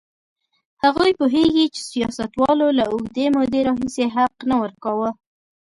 هغوی پوهېږي چې سیاستوالو له اوږدې مودې راهیسې حق نه ورکاوه.